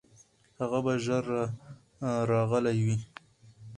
هغه به ژر راغلی وي.